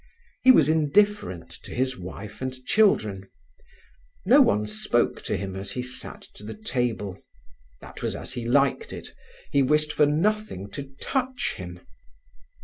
He was indifferent to his wife and children. No one spoke to him as he sat to the table. That was as he liked it; he wished for nothing to touch him.